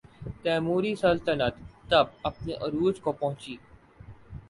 تیموری سلطنت تب اپنے عروج کو پہنچی۔